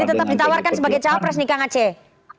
jadi tetap ditawarkan sebagai cawapres nih kang aceh